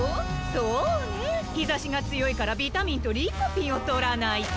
そうね。ひざしがつよいからビタミンとリコピンをとらないと。